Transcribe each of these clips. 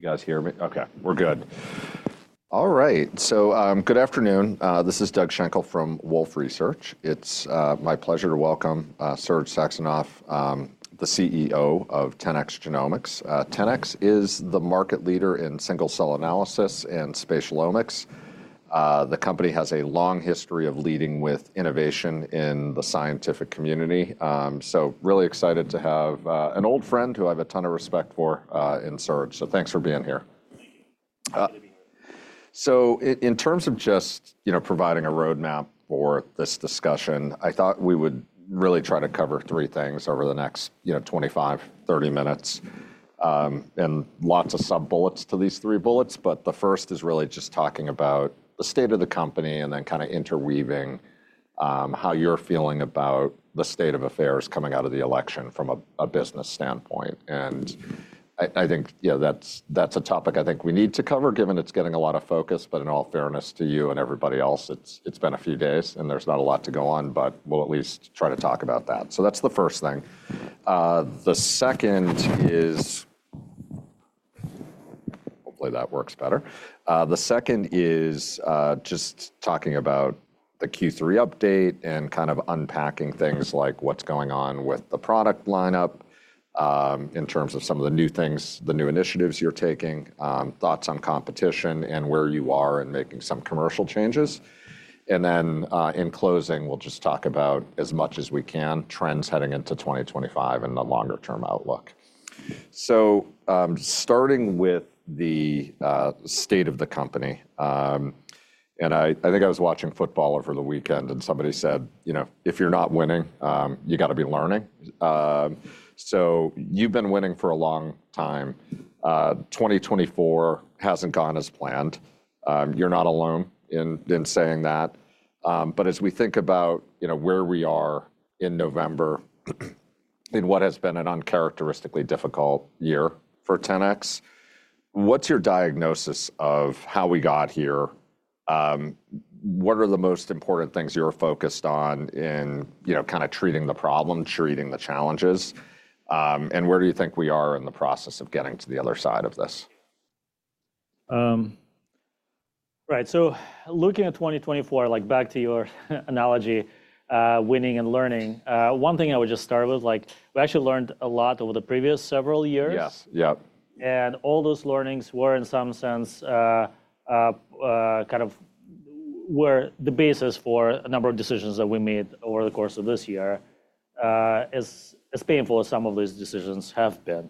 You guys hear me? Okay, we're good. All right, so good afternoon. This is Doug Schenkel from Wolfe Research. It's my pleasure to welcome Serge Saxonov, the CEO of 10x Genomics. 10x is the market leader in single-cell analysis and spatial omics. The company has a long history of leading with innovation in the scientific community. So really excited to have an old friend who I have a ton of respect for in Serge. So thanks for being here. Thank you. In terms of just providing a roadmap for this discussion, I thought we would really try to cover three things over the next 25-30 minutes. And lots of sub-bullets to these three bullets, but the first is really just talking about the state of the company and then kind of interweaving how you're feeling about the state of affairs coming out of the election from a business standpoint. And I think that's a topic I think we need to cover given it's getting a lot of focus. But in all fairness to you and everybody else, it's been a few days and there's not a lot to go on, but we'll at least try to talk about that. So that's the first thing. The second is hopefully that works better. The second is just talking about the Q3 update and kind of unpacking things like what's going on with the product lineup in terms of some of the new things, the new initiatives you're taking, thoughts on competition and where you are in making some commercial changes. And then in closing, we'll just talk about as much as we can, trends heading into 2025 and the longer-term outlook. So starting with the state of the company, and I think I was watching football over the weekend and somebody said, "If you're not winning, you got to be learning." So you've been winning for a long time. 2024 hasn't gone as planned. You're not alone in saying that. But as we think about where we are in November, in what has been an uncharacteristically difficult year for 10x, what's your diagnosis of how we got here? What are the most important things you're focused on in kind of treating the problem, treating the challenges? And where do you think we are in the process of getting to the other side of this? Right, so looking at 2024, like back to your analogy, winning and learning, one thing I would just start with, we actually learned a lot over the previous several years. Yes. Yeah. All those learnings were in some sense kind of were the basis for a number of decisions that we made over the course of this year, as painful as some of these decisions have been.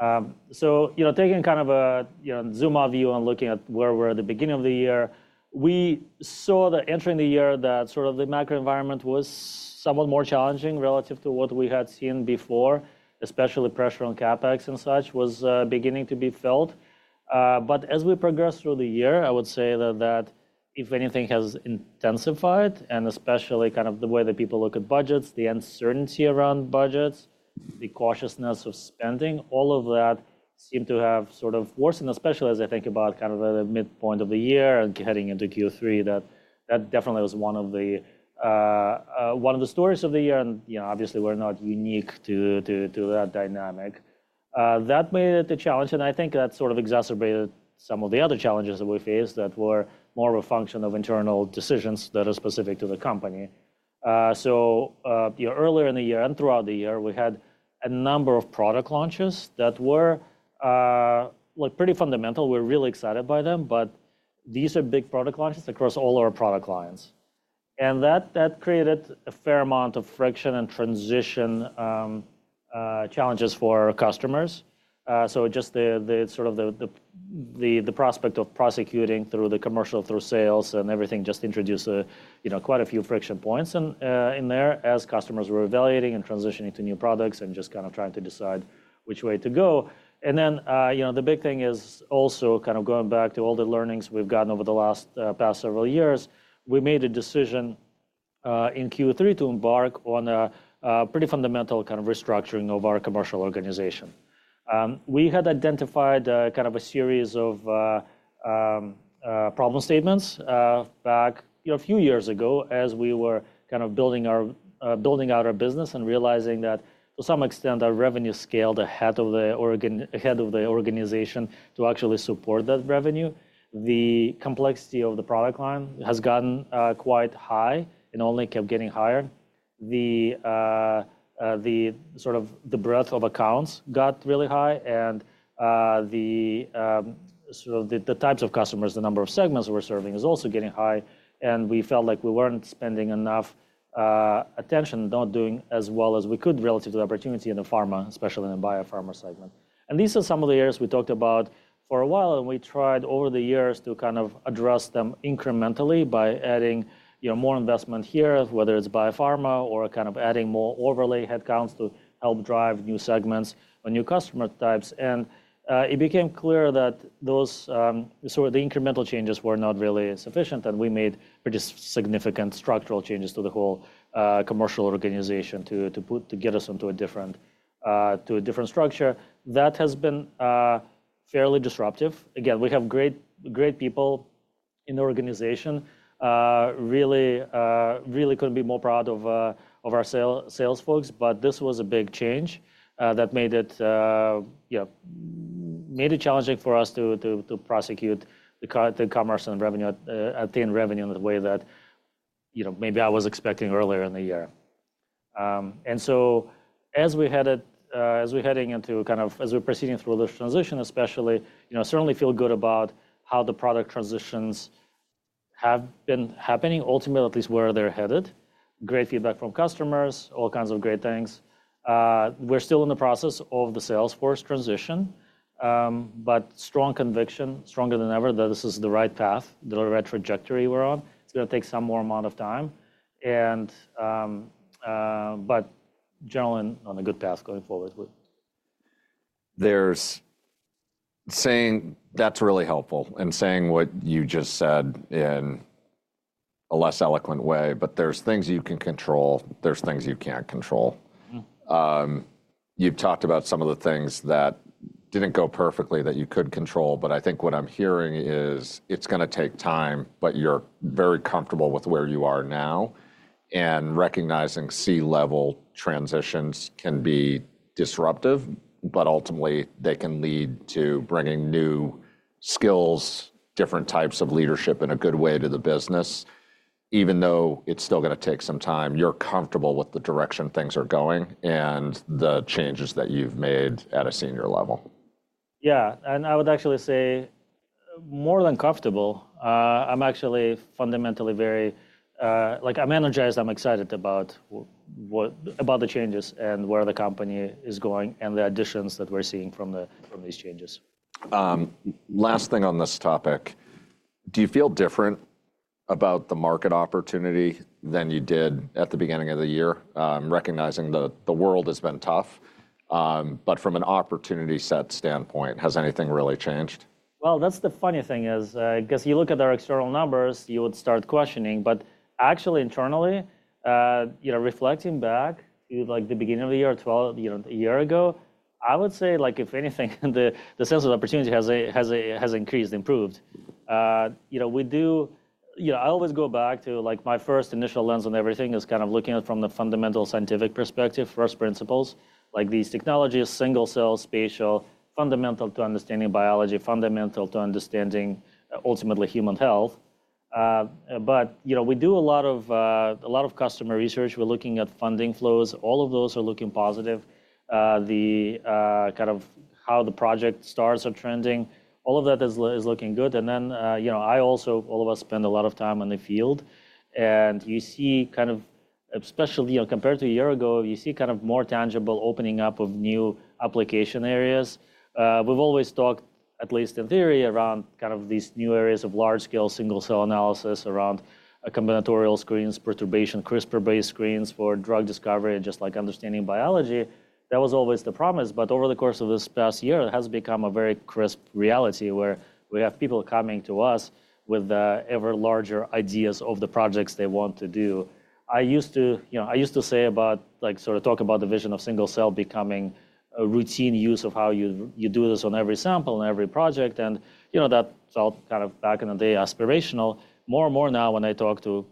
Taking kind of a zoom-out view and looking at where we're at the beginning of the year, we saw that entering the year sort of the macro environment was somewhat more challenging relative to what we had seen before, especially pressure on CapEx and such was beginning to be felt. But as we progressed through the year, I would say that if anything has intensified, and especially kind of the way that people look at budgets, the uncertainty around budgets, the cautiousness of spending, all of that seemed to have sort of worsened, especially as I think about kind of the midpoint of the year and heading into Q3, that that definitely was one of the stories of the year. And obviously, we're not unique to that dynamic. That made it a challenge. And I think that sort of exacerbated some of the other challenges that we faced that were more of a function of internal decisions that are specific to the company. So earlier in the year and throughout the year, we had a number of product launches that were pretty fundamental. We're really excited by them, but these are big product launches across all our product lines. That created a fair amount of friction and transition challenges for our customers. Just sort of the prospect of pushing through the commercial, through sales and everything just introduced quite a few friction points in there as customers were evaluating and transitioning to new products and just kind of trying to decide which way to go. The big thing is also kind of going back to all the learnings we've gotten over the last past several years. We made a decision in Q3 to embark on a pretty fundamental kind of restructuring of our commercial organization. We had identified kind of a series of problem statements back a few years ago as we were kind of building out our business and realizing that to some extent our revenue scaled ahead of the organization to actually support that revenue. The complexity of the product line has gotten quite high and only kept getting higher. The sort of breadth of accounts got really high and the types of customers, the number of segments we're serving is also getting high. And we felt like we weren't spending enough attention, not doing as well as we could relative to the opportunity in the pharma, especially in the biopharma segment. And these are some of the areas we talked about for a while and we tried over the years to kind of address them incrementally by adding more investment here, whether it's biopharma or kind of adding more overlay headcounts to help drive new segments or new customer types. And it became clear that those sort of the incremental changes were not really sufficient and we made pretty significant structural changes to the whole commercial organization to get us into a different structure. That has been fairly disruptive. Again, we have great people in the organization, really couldn't be more proud of our sales folks, but this was a big change that made it challenging for us to prosecute the commerce and attain revenue in a way that maybe I was expecting earlier in the year. And so as we're proceeding through this transition, especially, certainly feel good about how the product transitions have been happening, ultimately at least where they're headed. Great feedback from customers, all kinds of great things. We're still in the process of the sales force transition, but strong conviction, stronger than ever, that this is the right path, the right trajectory we're on. It's going to take some more amount of time, but generally on a good path going forward. Saying that's really helpful and saying what you just said in a less eloquent way, but there's things you can control, there's things you can't control. You've talked about some of the things that didn't go perfectly that you could control, but I think what I'm hearing is it's going to take time, but you're very comfortable with where you are now and recognizing C-level transitions can be disruptive. But ultimately they can lead to bringing new skills, different types of leadership in a good way to the business, even though it's still going to take some time. You're comfortable with the direction things are going and the changes that you've made at a senior level. Yeah, and I would actually say more than comfortable. I'm actually fundamentally very energized. I'm excited about the changes and where the company is going and the additions that we're seeing from these changes. Last thing on this topic, do you feel different about the market opportunity than you did at the beginning of the year? Recognizing that the world has been tough, but from an opportunity set standpoint, has anything really changed? That's the funny thing is because you look at our external numbers, you would start questioning, but actually internally, reflecting back to the beginning of the year, a year ago, I would say if anything, the sense of opportunity has increased, improved. I always go back to my first initial lens on everything is kind of looking at it from the fundamental scientific perspective, first principles. These technologies, single-cell, spatial, fundamental to understanding biology, fundamental to understanding ultimately human health. But we do a lot of customer research. We're looking at funding flows. All of those are looking positive. The kind of how the project starts are trending. All of that is looking good. And then I also, all of us spend a lot of time in the field and you see kind of especially compared to a year ago, you see kind of more tangible opening up of new application areas. We've always talked, at least in theory, around kind of these new areas of large-scale single-cell analysis around combinatorial screens, perturbation, CRISPR-based screens for drug discovery and just understanding biology. That was always the promise. But over the course of this past year, it has become a very crisp reality where we have people coming to us with ever larger ideas of the projects they want to do. I used to say about sort of talk about the vision of single-cell becoming a routine use of how you do this on every sample and every project. And that felt kind of back in the day aspirational. More and more now when I talk to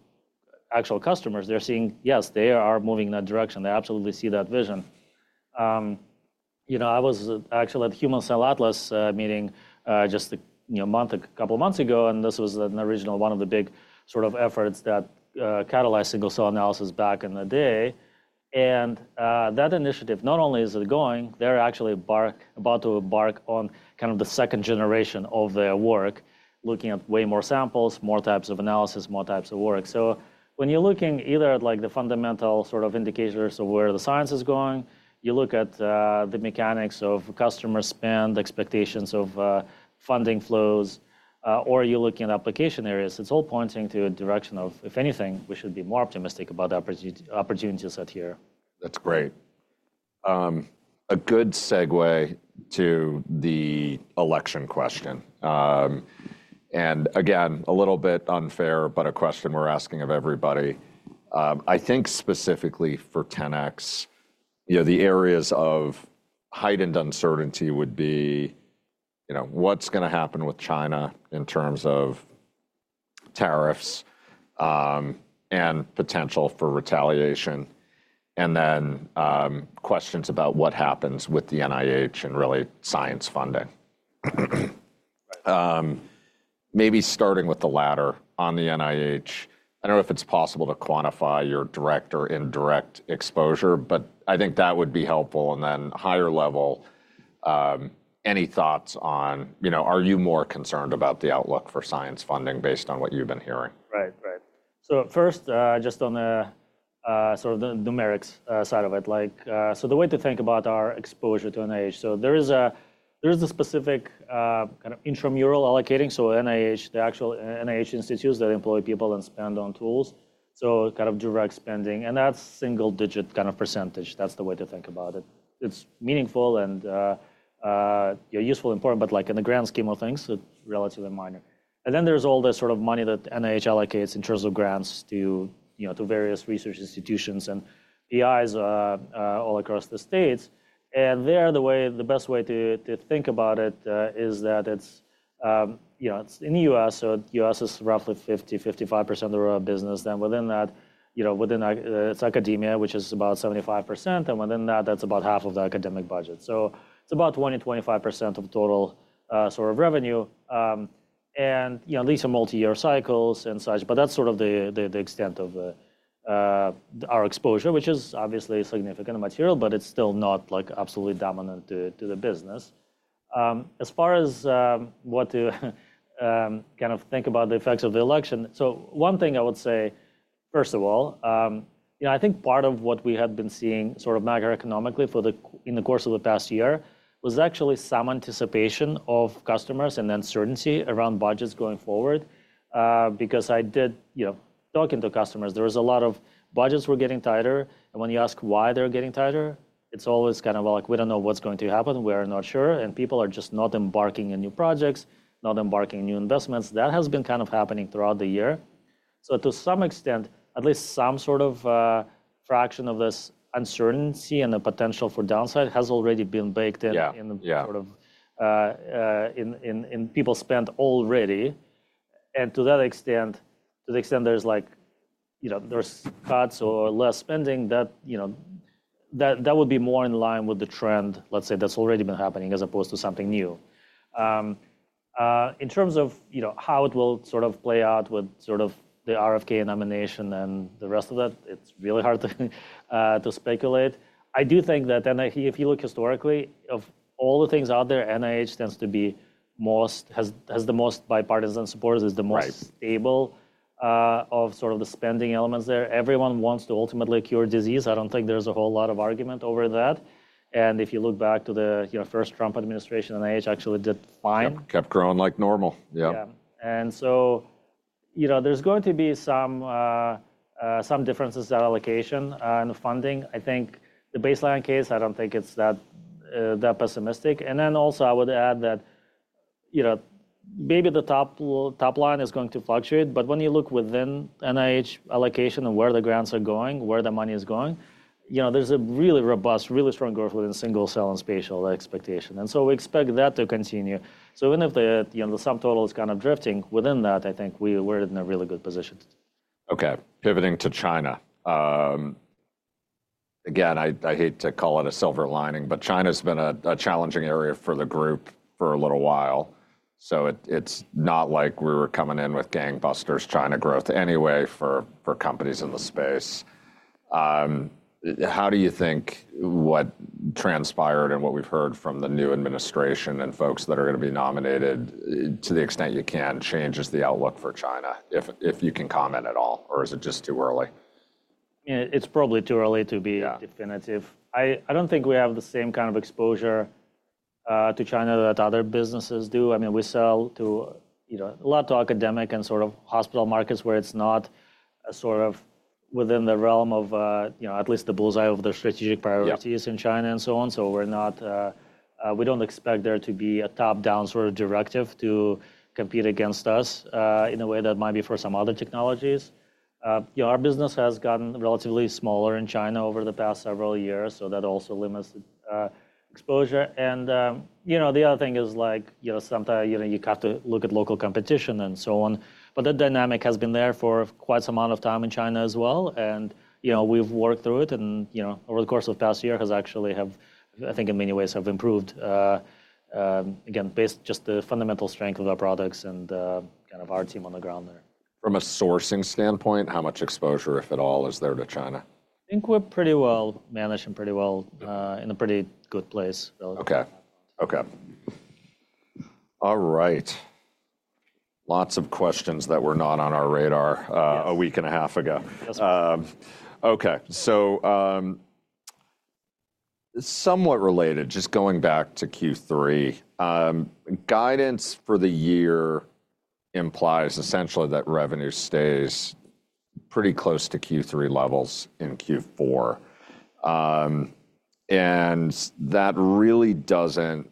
actual customers, they're seeing, yes, they are moving in that direction. They absolutely see that vision. I was actually at Human Cell Atlas meeting just a couple of months ago, and this was an original, one of the big sort of efforts that catalyzed single-cell analysis back in the day. And that initiative, not only is it going, they're actually about to embark on kind of the second generation of their work, looking at way more samples, more types of analysis, more types of work. So when you're looking either at the fundamental sort of indicators of where the science is going, you look at the mechanics of customer spend, expectations of funding flows, or you're looking at application areas, it's all pointing to a direction of, if anything, we should be more optimistic about the opportunities ahead. That's great. A good segue to the election question. And again, a little bit unfair, but a question we're asking of everybody. I think specifically for 10x, the areas of heightened uncertainty would be what's going to happen with China in terms of tariffs and potential for retaliation. And then questions about what happens with the NIH and really science funding. Maybe starting with the latter on the NIH, I don't know if it's possible to quantify your direct or indirect exposure, but I think that would be helpful. And then higher level, any thoughts on, are you more concerned about the outlook for science funding based on what you've been hearing? Right. Right. So first, just on the sort of numerics side of it, so the way to think about our exposure to NIH, so there is a specific kind of intramural allocating. So NIH, the actual NIH institutes that employ people and spend on tools, so kind of direct spending. And that's single-digit kind of percentage. That's the way to think about it. It's meaningful and useful and important, but in the grand scheme of things, it's relatively minor. And then there's all this sort of money that NIH allocates in terms of grants to various research institutions and PIs all across the states. And the best way to think about it is that it's in the U.S., so the U.S. is roughly 50%-55% of our business. Then within that, it's academia, which is about 75%. And within that, that's about half of the academic budget. So it's about 20%-25% of total sort of revenue. And these are multi-year cycles and such, but that's sort of the extent of our exposure, which is obviously significant material, but it's still not absolutely dominant to the business. As far as what to kind of think about the effects of the election, so one thing I would say, first of all, I think part of what we had been seeing sort of macroeconomically in the course of the past year was actually some anticipation of customers and uncertainty around budgets going forward. Because in talking to customers, there was a lot of budgets were getting tighter. And when you ask why they're getting tighter, it's always kind of like, we don't know what's going to happen. We are not sure. And people are just not embarking on new projects, not embarking on new investments. That has been kind of happening throughout the year. So to some extent, at least some sort of fraction of this uncertainty and the potential for downside has already been baked in people's spend already, and to that extent, to the extent there's cuts or less spending, that would be more in line with the trend, let's say, that's already been happening as opposed to something new. In terms of how it will sort of play out with sort of the RFK nomination and the rest of that, it's really hard to speculate. I do think that if you look historically, of all the things out there, NIH tends to be most, has the most bipartisan support, is the most stable of sort of the spending elements there. Everyone wants to ultimately cure disease. I don't think there's a whole lot of argument over that. If you look back to the first Trump administration, NIH actually did fine. Kept growing like normal. Yeah. Yeah. And so there's going to be some differences in that allocation and funding. I think in the baseline case, I don't think it's that pessimistic. And then also I would add that maybe the top line is going to fluctuate, but when you look within NIH allocation and where the grants are going, where the money is going, there's a really robust, really strong growth within single-cell and spatial omics. And so we expect that to continue. So even if the sum total is kind of drifting within that, I think we're in a really good position. Okay. Pivoting to China. Again, I hate to call it a silver lining, but China has been a challenging area for the group for a little while. So it's not like we were coming in with gangbusters China growth anyway for companies in the space. How do you think what transpired and what we've heard from the new administration and folks that are going to be nominated, to the extent you can, changes the outlook for China? If you can comment at all, or is it just too early? It's probably too early to be definitive. I don't think we have the same kind of exposure to China that other businesses do. I mean, we sell to a lot of academic and sort of hospital markets where it's not sort of within the realm of at least the bull's eye of the strategic priorities in China and so on. So we don't expect there to be a top-down sort of directive to compete against us in a way that might be for some other technologies. Our business has gotten relatively smaller in China over the past several years, so that also limits exposure. And the other thing is sometimes you have to look at local competition and so on, but that dynamic has been there for quite some amount of time in China as well. We've worked through it and over the course of the past year has actually, I think in many ways, have improved, again, based just the fundamental strength of our products and kind of our team on the ground there. From a sourcing standpoint, how much exposure, if at all, is there to China? I think we're pretty well managed and pretty well in a pretty good place. Okay. Okay. All right. Lots of questions that were not on our radar a week and a half ago. Okay. So somewhat related, just going back to Q3, guidance for the year implies essentially that revenue stays pretty close to Q3 levels in Q4. And that really doesn't,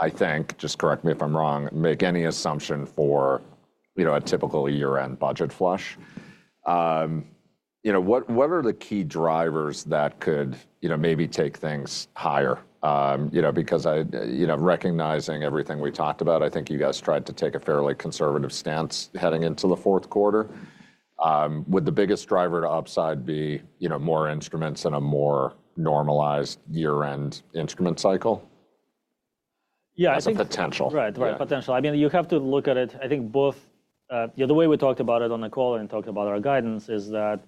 I think, just correct me if I'm wrong, make any assumption for a typical year-end budget flush. What are the key drivers that could maybe take things higher? Because recognizing everything we talked about, I think you guys tried to take a fairly conservative stance heading into the fourth quarter. Would the biggest driver to upside be more instruments and a more normalized year-end instrument cycle? Yeah. Or potential? Right. I mean, you have to look at it. I think both the way we talked about it on the call and talked about our guidance is that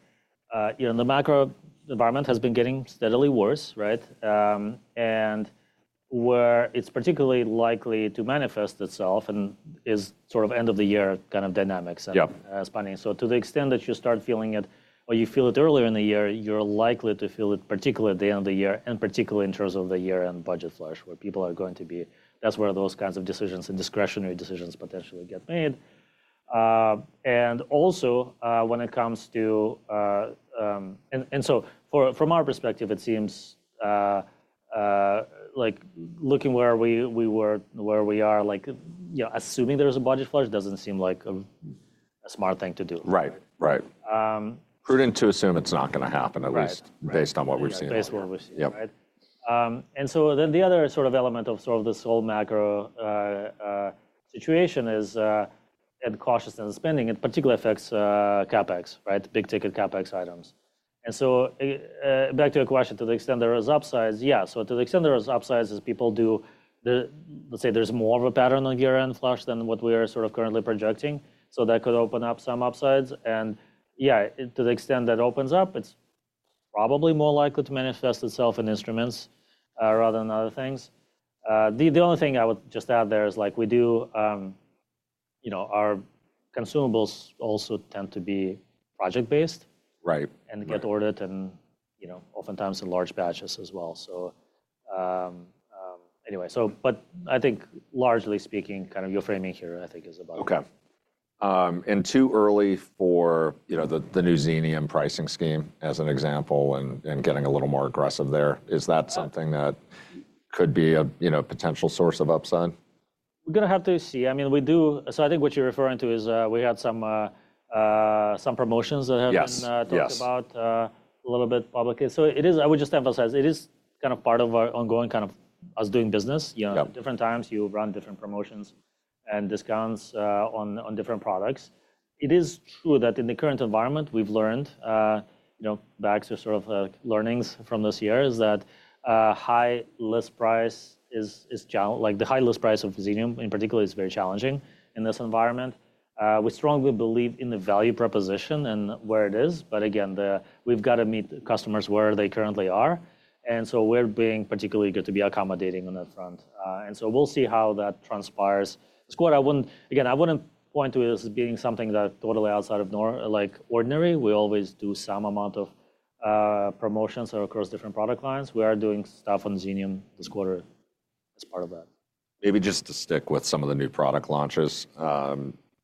the macro environment has been getting steadily worse, right? And where it's particularly likely to manifest itself and is sort of end of the year kind of dynamics and spending. So to the extent that you start feeling it or you feel it earlier in the year, you're likely to feel it particularly at the end of the year and particularly in terms of the year-end budget flush where people are going to be, that's where those kinds of decisions and discretionary decisions potentially get made. And also when it comes to, and so from our perspective, it seems like looking where we were, where we are, assuming there's a budget flush doesn't seem like a smart thing to do. Right. Right. Prudent to assume it's not going to happen, at least based on what we've seen. Based on what we've seen, right? And so then the other sort of element of sort of this whole macro situation is cautiousness in spending. It particularly affects CapEx, right? Big ticket CapEx items. And so back to your question, to the extent there is upsides, yeah. So to the extent there is upsides as people do, let's say there's more of a pattern on year-end flush than what we are sort of currently projecting, so that could open up some upsides. And yeah, to the extent that opens up, it's probably more likely to manifest itself in instruments rather than other things. The only thing I would just add there is we do our consumables also tend to be project-based and get ordered and oftentimes in large batches as well. So anyway, but I think largely speaking, kind of your framing here, I think is about it. Okay. And too early for the new Xenium pricing scheme as an example and getting a little more aggressive there. Is that something that could be a potential source of upside? We're going to have to see. I mean, we do, so I think what you're referring to is we had some promotions that have been talked about a little bit publicly, so I would just emphasize it is kind of part of our ongoing kind of us doing business. Different times you run different promotions and discounts on different products. It is true that in the current environment, we've learned, back to sort of learnings from this year, that the high list price of Xenium in particular is very challenging in this environment. We strongly believe in the value proposition and where it is, but again, we've got to meet customers where they currently are, and so we're being particularly good to be accommodating on that front, and so we'll see how that transpires. Again, I wouldn't point to it as being something that's totally outside of ordinary. We always do some amount of promotions across different product lines. We are doing stuff on Xenium this quarter as part of that. Maybe just to stick with some of the new product launches,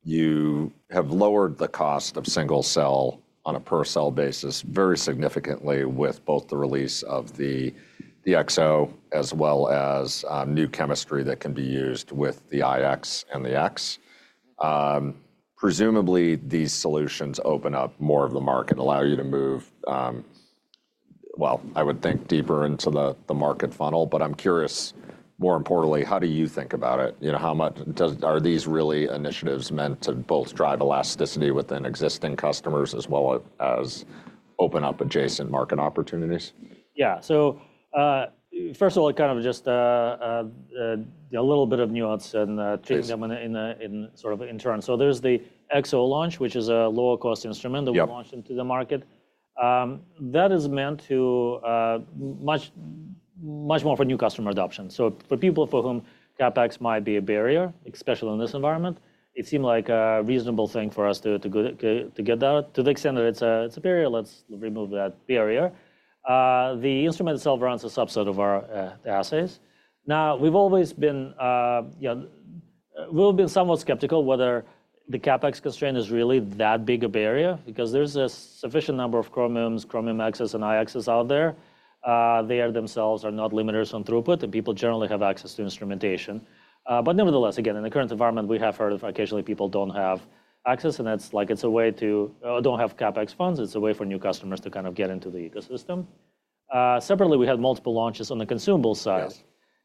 you have lowered the cost of single-cell on a per-cell basis very significantly with both the release of the Xo as well as new chemistry that can be used with the iX and the X. Presumably, these solutions open up more of the market, allow you to move, well, I would think deeper into the market funnel. But I'm curious, more importantly, how do you think about it? Are these really initiatives meant to both drive elasticity within existing customers as well as open up adjacent market opportunities? Yeah. So first of all, kind of just a little bit of nuance and thinking them in sort of internal. So there's the Xo launch, which is a lower-cost instrument that we launched into the market. That is meant to be much more for new customer adoption. So for people for whom CapEx might be a barrier, especially in this environment, it seemed like a reasonable thing for us to get out. To the extent that it's a barrier, let's remove that barrier. The instrument itself runs a subset of our assays. Now, we've always been, we've been somewhat skeptical whether the CapEx constraint is really that big a barrier because there's a sufficient number of Chromiums, Chromium Xs and iXs out there. They themselves are not limiters on throughput, and people generally have access to instrumentation. But nevertheless, again, in the current environment, we have heard of occasionally people don't have access, and it's like it's a way to don't have CapEx funds. It's a way for new customers to kind of get into the ecosystem. Separately, we had multiple launches on the consumable side.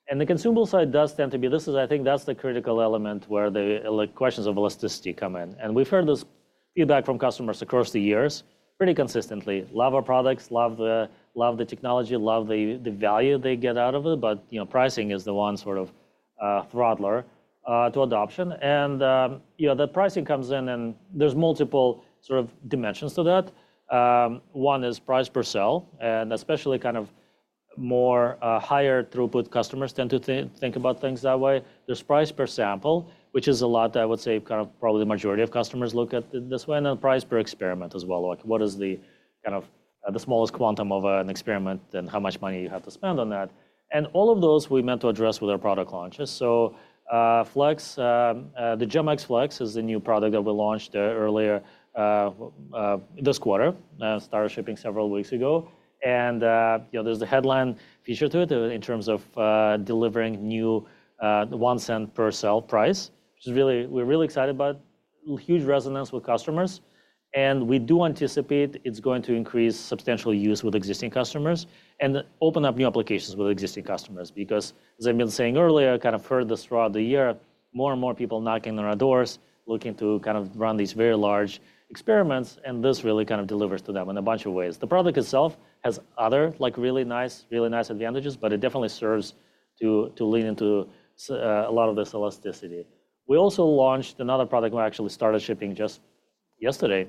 And the consumable side does tend to be, this is, I think that's the critical element where the questions of elasticity come in. And we've heard this feedback from customers across the years pretty consistently. Love our products, love the technology, love the value they get out of it. But pricing is the one sort of throttler to adoption. And that pricing comes in, and there's multiple sort of dimensions to that. One is price per cell, and especially kind of more higher throughput customers tend to think about things that way. There's price per sample, which is a lot. I would say kind of probably the majority of customers look at this way. And then price per experiment as well. What is the kind of the smallest quantum of an experiment and how much money you have to spend on that? And all of those we meant to address with our product launches. So Flex, the GEM-X Flex is a new product that we launched earlier this quarter, started shipping several weeks ago. And there's a headline feature to it in terms of delivering new $0.01 per cell price, which is really, we're really excited about, huge resonance with customers. And we do anticipate it's going to increase substantial use with existing customers and open up new applications with existing customers. Because as I've been saying earlier, I kind of heard this throughout the year, more and more people knocking on our doors looking to kind of run these very large experiments, and this really kind of delivers to them in a bunch of ways. The product itself has other really nice, really nice advantages, but it definitely serves to lean into a lot of this elasticity. We also launched another product we actually started shipping just yesterday,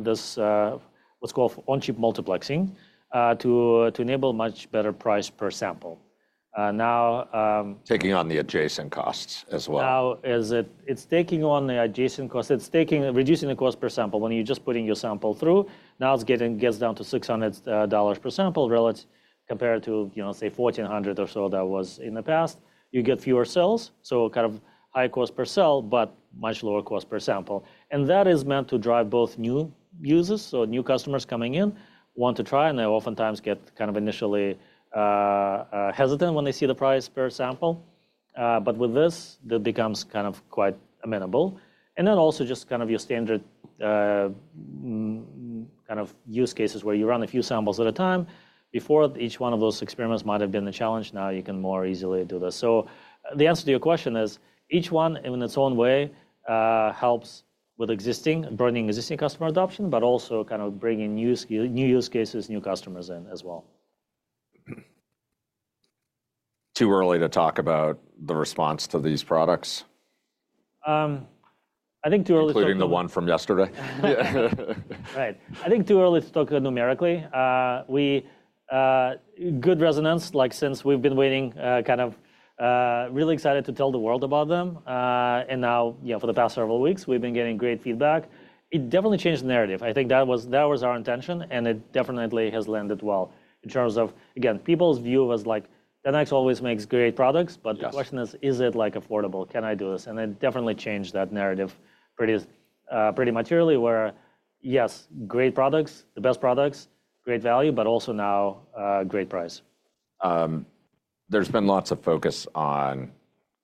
this, what's called On-Chip Multiplexing to enable much better price per sample. Now. Taking on the adjacent costs as well. Now it's taking on the adjacent costs. It's reducing the cost per sample. When you're just putting your sample through, now it gets down to $600 per sample compared to, say, $1,400 or so that was in the past. You get fewer cells, so kind of high cost per cell, but much lower cost per sample, and that is meant to drive both new users, so new customers coming in want to try. And they oftentimes get kind of initially hesitant when they see the price per sample, but with this, that becomes kind of quite amenable, and then also just kind of your standard kind of use cases where you run a few samples at a time. Before, each one of those experiments might have been a challenge. Now you can more easily do this. So, the answer to your question is each one in its own way helps with existing, bringing existing customer adoption, but also kind of bringing new use cases, new customers in as well. Too early to talk about the response to these products? I think too early to talk. Including the one from yesterday. Right. I think too early to talk numerically. Good resonance, like since we've been waiting, kind of really excited to tell the world about them. And now for the past several weeks, we've been getting great feedback. It definitely changed the narrative. I think that was our intention, and it definitely has landed well in terms of, again, people's view was like 10x always makes great products, but the question is, is it affordable? Can I do this? And it definitely changed that narrative pretty materially, where yes, great products, the best products, great value, but also now great price. There's been lots of focus on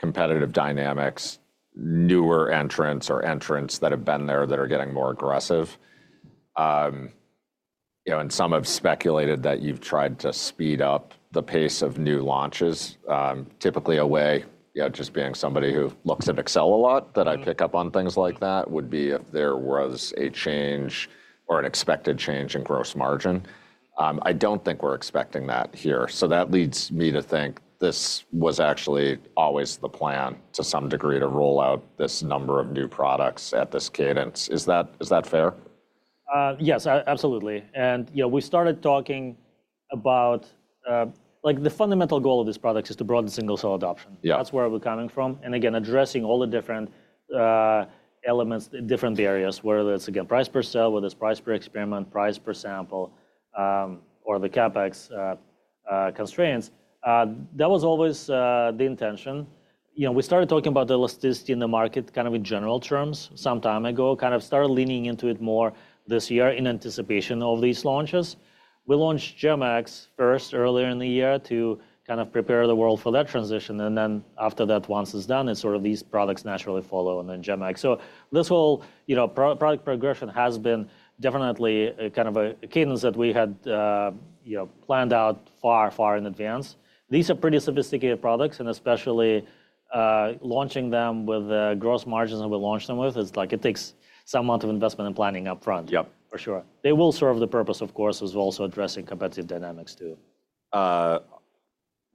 competitive dynamics, newer entrants or entrants that have been there that are getting more aggressive. And some have speculated that you've tried to speed up the pace of new launches. Typically, a way just being somebody who looks at Excel a lot that I pick up on things like that would be if there was a change or an expected change in gross margin. I don't think we're expecting that here. So that leads me to think this was actually always the plan to some degree to roll out this number of new products at this cadence. Is that fair? Yes, absolutely. And we started talking about the fundamental goal of these products is to broaden single-cell adoption. That's where we're coming from. And again, addressing all the different elements, different barriers, whether it's again, price per cell, whether it's price per experiment, price per sample, or the CapEx constraints, that was always the intention. We started talking about elasticity in the market kind of in general terms some time ago, kind of started leaning into it more this year in anticipation of these launches. We launched GEM-X first earlier in the year to kind of prepare the world for that transition. And then after that, once it's done, it's sort of these products naturally follow and then GEM-X. So this whole product progression has been definitely kind of a cadence that we had planned out far, far in advance. These are pretty sophisticated products, and especially launching them with the gross margins that we launched them with, it's like it takes some amount of investment and planning upfront, for sure. They will serve the purpose, of course, as well as addressing competitive dynamics too.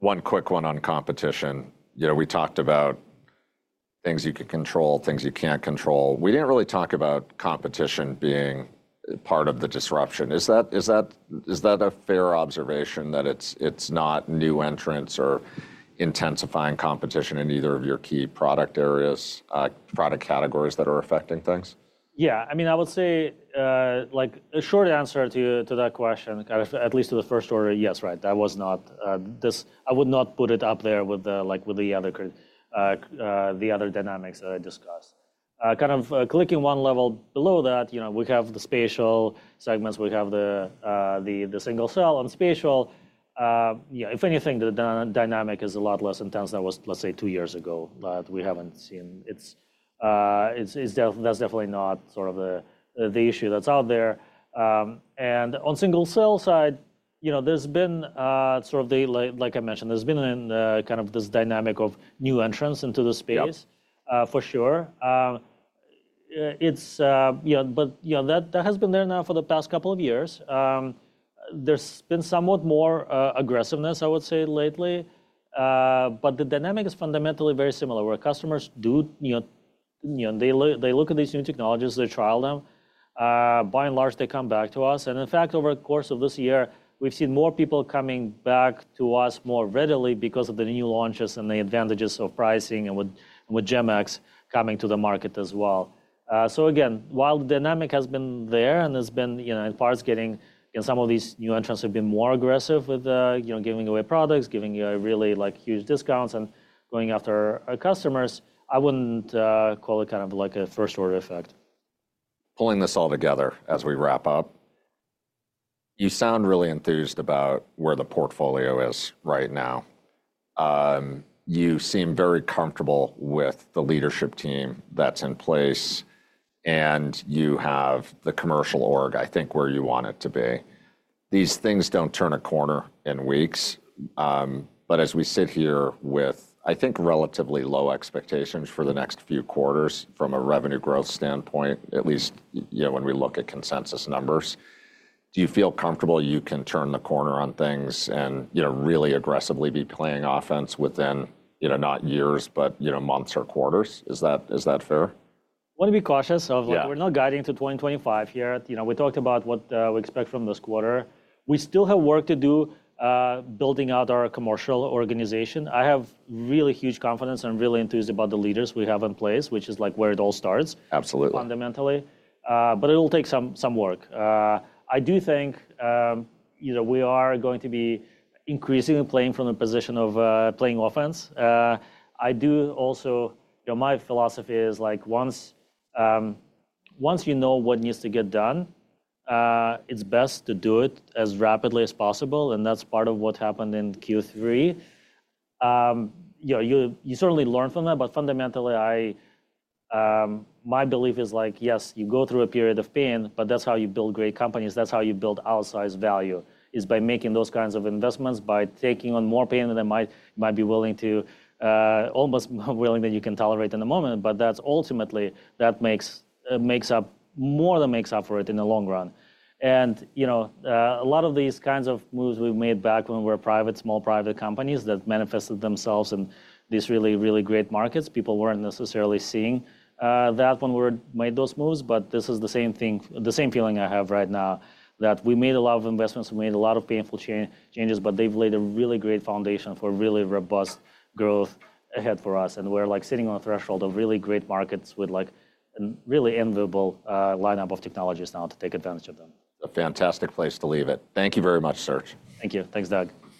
One quick one on competition. We talked about things you can control, things you can't control. We didn't really talk about competition being part of the disruption. Is that a fair observation that it's not new entrants or intensifying competition in either of your key product areas, product categories that are affecting things? Yeah. I mean, I would say a short answer to that question, at least to the first order, yes, right. I would not put it up there with the other dynamics that I discussed. Kind of clicking one level below that, we have the spatial segments. We have the single-cell on spatial. If anything, the dynamic is a lot less intense than it was, let's say, two years ago. We haven't seen that. That's definitely not sort of the issue that's out there. And on single-cell side, there's been sort of, like I mentioned, there's been kind of this dynamic of new entrants into the space, for sure. But that has been there now for the past couple of years. There's been somewhat more aggressiveness, I would say, lately. But the dynamic is fundamentally very similar where customers do, they look at these new technologies, they trial them. By and large, they come back to us. And in fact, over the course of this year, we've seen more people coming back to us more readily because of the new launches and the advantages of pricing and with GEM-X coming to the market as well. So again, while the dynamic has been there and has been in parts getting some of these new entrants have been more aggressive with giving away products, giving really huge discounts and going after our customers, I wouldn't call it kind of like a first-order effect. Pulling this all together as we wrap up, you sound really enthused about where the portfolio is right now. You seem very comfortable with the leadership team that's in place, and you have the commercial org, I think, where you want it to be. These things don't turn a corner in weeks. But as we sit here with, I think, relatively low expectations for the next few quarters from a revenue growth standpoint, at least when we look at consensus numbers, do you feel comfortable you can turn the corner on things and really aggressively be playing offense within not years, but months or quarters? Is that fair? I want to be cautious. We're not guiding to 2025 here. We talked about what we expect from this quarter. We still have work to do building out our commercial organization. I have really huge confidence and really enthused about the leaders we have in place, which is like where it all starts. Absolutely. Fundamentally, but it'll take some work. I do think we are going to be increasingly playing from the position of playing offense. I do also, my philosophy is like once you know what needs to get done, it's best to do it as rapidly as possible, and that's part of what happened in Q3. You certainly learn from that, but fundamentally, my belief is like, yes, you go through a period of pain, but that's how you build great companies. That's how you build outsized value is by making those kinds of investments, by taking on more pain than they might be willing to, almost willing that you can tolerate in the moment, but that's ultimately that makes up more than makes up for it in the long run. A lot of these kinds of moves we've made back when we were private, small private companies that manifested themselves in these really, really great markets. People weren't necessarily seeing that when we made those moves. This is the same thing, the same feeling I have right now that we made a lot of investments, we made a lot of painful changes, but they've laid a really great foundation for really robust growth ahead for us. We're like sitting on a threshold of really great markets with like a really enviable lineup of technologies now to take advantage of them. A fantastic place to leave it. Thank you very much, Serge. Thank you. Thanks, Doug.